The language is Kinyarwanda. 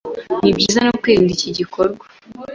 ni byiza no kwirinda iki gikorwa.